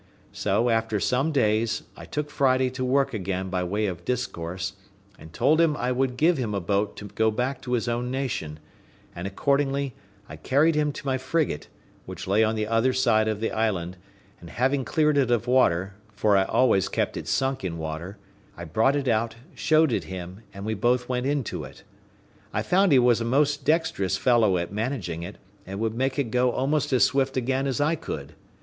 So, after some days, I took Friday to work again by way of discourse, and told him I would give him a boat to go back to his own nation; and, accordingly, I carried him to my frigate, which lay on the other side of the island, and having cleared it of water (for I always kept it sunk in water), I brought it out, showed it him, and we both went into it. I found he was a most dexterous fellow at managing it, and would make it go almost as swift again as I could.